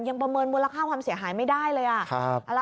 ประเมินมูลค่าความเสียหายไม่ได้เลย